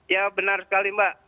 ya benar sekali mbak